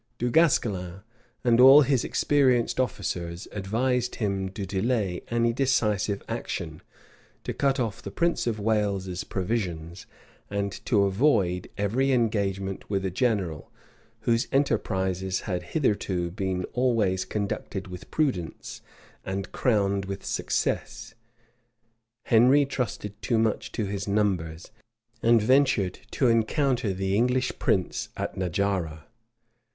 Du Guesclin, and all his experienced officers, advised him to delay any decisive action, to cut off the prince of Wales's provisions, and to avoid every engagement with a general, whose enterprises had hitherto been always conducted with prudence, and crowned with success. Henry trusted too much to his numbers; and ventured to encounter the English prince at Najara.[*] * Froissard, liv. i. chap. 241.